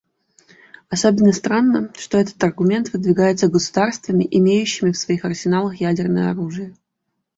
Особенно странно, что этот аргумент выдвигается государствами, имеющими в своих арсеналах ядерное оружие.